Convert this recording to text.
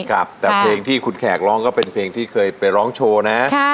ครับแต่เพลงที่คุณแขกร้องก็เป็นเพลงที่เคยไปร้องโชว์นะ